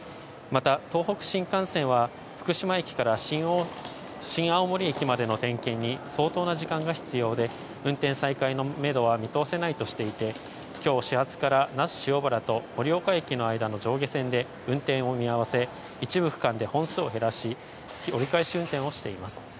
また東北新幹線は福島駅から新青森駅までの点検に相当な時間が必要で、運転再開のめどは見通せないとしていて、今日始発から那須塩原と盛岡駅の間の上下線で運転を見合わせ一部区間で本数を減らし、折り返し運転をしています。